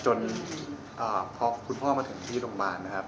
จนพอคุณพ่อมาถึงที่โรงพยาบาลนะครับ